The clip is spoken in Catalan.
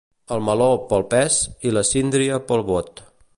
El meló, pel pes, i, la síndria, pel bot.